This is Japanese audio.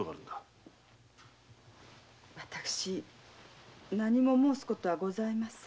私何も申す事はございません。